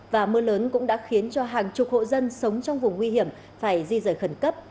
và mưa lớn cũng đã khiến cho hàng chục hộ dân sống trong vùng nguy hiểm phải di rời khẩn cấp